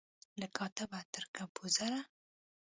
له کاتبه تر کمپوزره